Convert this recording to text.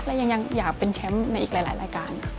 และยังอยากเป็นแชมป์ในอีกหลายรายการ